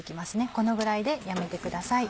このぐらいでやめてください。